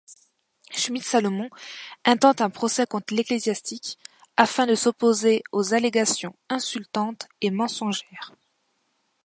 Schmidt-Salomon intente un procès contre l'ecclésiastique, afin de s'opposer aux allégations insultantes et mensongères.